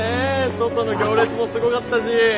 外の行列もすごかったし。